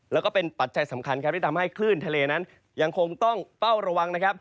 แล้วก็เป็นปัจจัยสำคัญครับที่ทำให้คลื่นทะเลนั้นยังคงต้องเป้าระวังนะครับ